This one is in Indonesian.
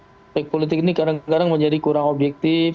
aspek politik ini kadang kadang menjadi kurang objektif